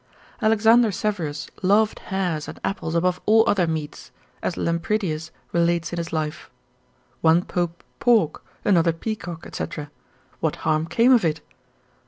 Alexander Severus loved hares and apples above all other meats, as Lampridius relates in his life: one pope pork, another peacock, &c. what harm came of it?